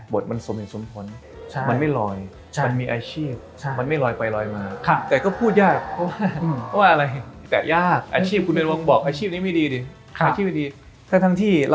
บทมันสมเหลือสมพล